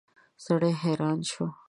سړی حیران شو.